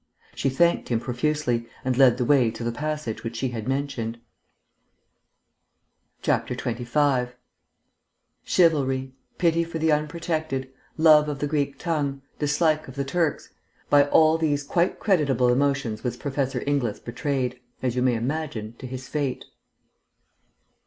She thanked him profusely, and led the way to the passage which she had mentioned. 25 Chivalry, pity for the unprotected, love of the Greek tongue, dislike of Turks by all these quite creditable emotions was Professor Inglis betrayed, as you may imagine, to his fate.